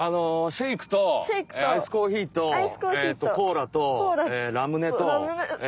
シェイクとアイスコーヒーとコーラとラムネ。